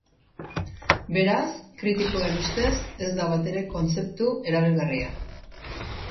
Beraz, kritikoen ustez, ez da batere kontzeptu erabilgarria.